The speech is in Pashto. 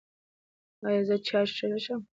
ایا زه چای څښلی شم؟